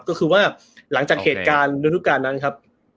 ก็คือว่าหลังจากเหตุการณ์ฤดูการนั้นครับ